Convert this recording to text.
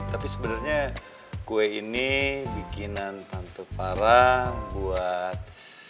tapi sebenarnya kue ini bikinan tante parang buat